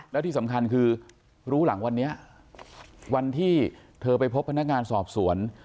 แล้วที่สำคัญคือรู้หลังวันนี้วันที่เธอไปพบพนักงานสอบสวน